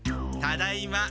ただいま。